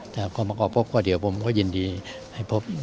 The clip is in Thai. แต่พอมาขอพบก็เดี๋ยวผมก็ยินดีให้พบ